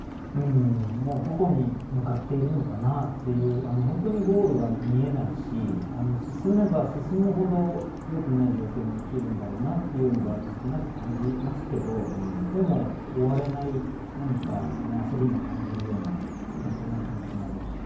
どこに向かっているのかなっていう本当にゴールが見えないし進めば進むほど良くない状況に陥るんだろうなというのを何となく感じますけどでも、終われない何か焦りも感じるようなそんな気持ちになりました。